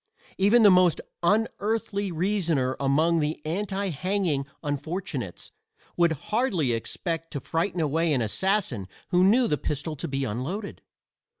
Even the most unearthly reasoner among the anti hanging unfortunates would hardly expect to frighten away an assassin who knew the pistol to be unloaded.